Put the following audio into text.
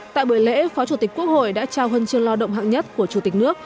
tại buổi lễ phó chủ tịch quốc hội đã trao huân chương lao động hạng nhất của chủ tịch nước